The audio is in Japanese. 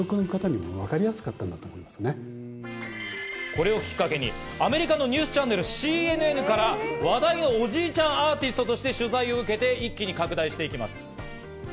これをきっかけにアメリカのニュースチャンネル・ＣＮＮから、話題のおじいちゃんアーティストとして取材を受けて、一気に拡大していきます。